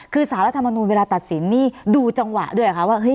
คือสารรัฐมนูลเวลาตัดสินนี่ดูจังหวะด้วยเหรอคะว่า